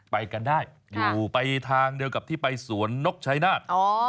ไปกันได้อยู่ไปทางเดียวกับที่ไปสวนนกชายนาฏ